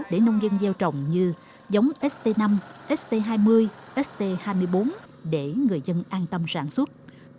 để nông dân gieo trồng như giống st năm st hai mươi st hai mươi bốn để người dân an tâm sản xuất